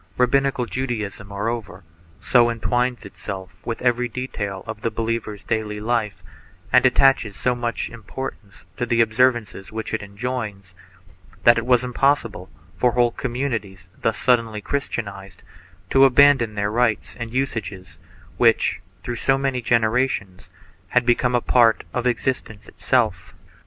Rabbinical Judaism, moreover, so entwines itself with every detail of the believer's daily life, and attaches so much importance to the observances which it enjoins, that it was impossible for whole communities thus suddenly Christianized, to abandon the rites and usages which, through so many generations, had become a part of exist ence itself.